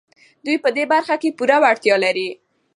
دوی په دې برخه کې پوره وړتيا لري.